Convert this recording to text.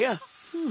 うん。